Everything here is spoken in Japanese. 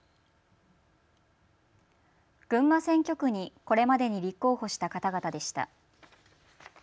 群馬選挙区にこれまでに立候補した方々でした。